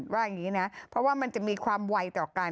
ว่าอย่างนี้นะเพราะว่ามันจะมีความไวต่อกัน